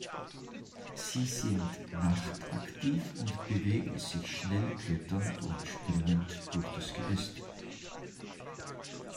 Sie sind nachtaktiv und bewegen sich schnell kletternd und springend durch das Geäst.